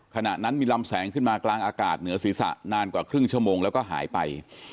ขณะนั้นมีลำแสงขึ้นมากลางอากาศเหนือศีรษะนานกว่าครึ่งชั่วโมงแล้วก็หายไป